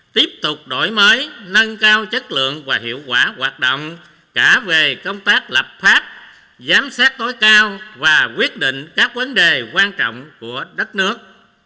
tiếp tục đổi mới nâng cao chất lượng và hiệu quả hoạt động cả về công tác lập pháp giám sát tối cao và quyết định các vấn đề quan trọng của đất nước